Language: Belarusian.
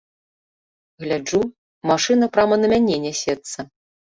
Гляджу, машына прама на мяне нясецца.